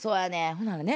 ほなね